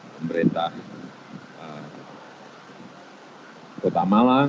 pemerintah kota malang